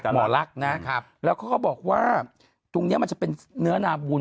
หมอลักษณ์นะแล้วเขาก็บอกว่าตรงนี้มันจะเป็นเนื้อนาบุญ